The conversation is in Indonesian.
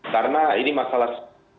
karena ini masalah